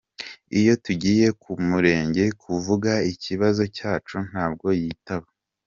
Iyo tugiye ku murenge kuvuga ikibazo cyacu ntabwo yitaba.